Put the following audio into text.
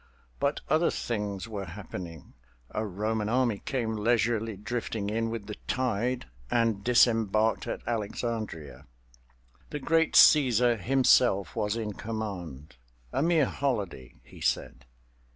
But other things were happening—a Roman army came leisurely drifting in with the tide and disembarked at Alexandria. The Great Cæsar himself was in command—a mere holiday, he said.